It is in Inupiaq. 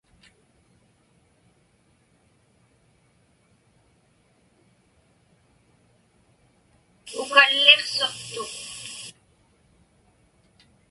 Ukalliqsuqtuk.